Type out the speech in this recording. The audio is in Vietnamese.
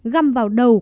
găm vào đầu